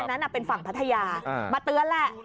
นั้นเป็นฝั่งพัทยามาเตือนแหละ